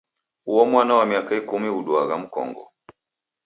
Uo mwana wa miaka ikumi uduagha mkongo.